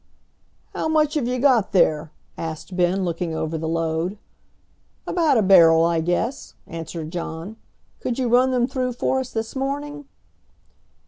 "How much have you got there?" asked Ben, looking over the load. "About a barrel, I guess," answered John "Could you run them through for us this morning?"